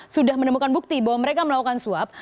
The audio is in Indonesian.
sudah menemukan bukti bahwa mereka melakukan suap